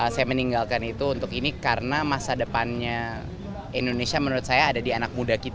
saya meninggalkan itu untuk ini karena masa depannya indonesia menurut saya ada di anak muda kita